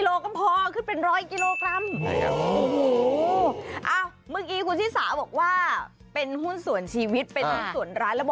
เราเริ่มขายเราบอกว่า๑๐กิโลกรัมพอจะมีกำไรแล้ว